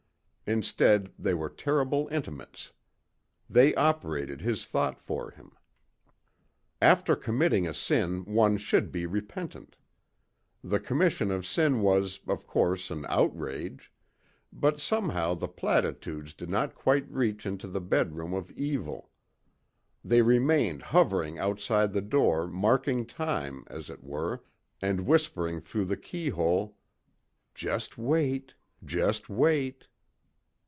Instead they were terrible intimates. They operated his thought for him. After committing a sin one should be repentent. The commission of sin was, of course, an outrage. But somehow the platitudes did not quite reach into the bedroom of evil. They remained hovering outside the door marking time, as it were, and whispering through the keyhole, "just wait ... just wait...."